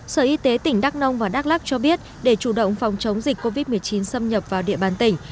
sở y tế tỉnh đắk nông và đắk lắc cho biết để chủ động phòng chống dịch covid một mươi chín xâm nhập vào địa bàn tỉnh